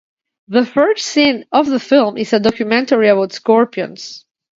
The first scene of the film is a documentary about scorpions.